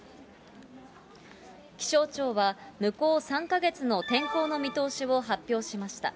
気象庁は、向こう３か月の天候の見通しを発表しました。